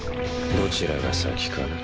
どちらが先かな。